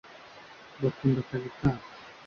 bakunda akazi kabo